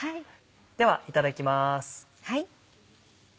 ではいただきます。